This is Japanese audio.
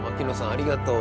ありがとう。